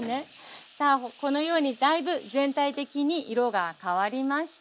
さあこのようにだいぶ全体的に色が変わりました。